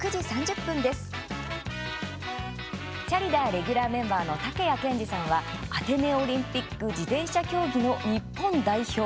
レギュラーメンバーの竹谷賢二さんはアテネオリンピック自転車競技の日本代表。